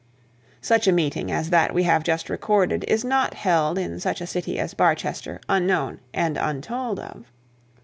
Such a meeting as that we have just recorded is not held in such a city as Barchester unknown and untold of.